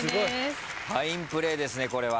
ファインプレーですねこれは。